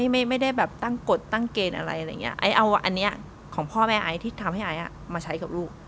ไม่ได้แบบตั้งกฎตั้งเกณฑ์อะไรอะไรอย่างเงี้ไอ้เอาอันนี้ของพ่อแม่ไอที่ทำให้ไอซ์มาใช้กับลูก